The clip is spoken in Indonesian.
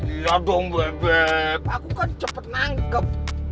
iya dong bebek aku kan cepet nangkep